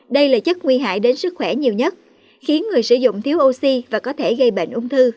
đây là chất nguy hại đến sức khỏe nhiều nhất khiến người sử dụng thiếu oxy và có thể gây bệnh ung thư